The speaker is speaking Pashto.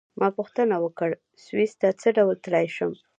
ما پوښتنه وکړه: سویس ته څه ډول تلای شم؟